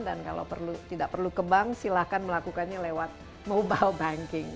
dan kalau tidak perlu ke bank silakan melakukannya lewat mobile banking